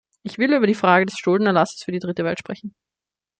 Ich will über die Frage des Schuldenerlasses für die Dritte Welt sprechen.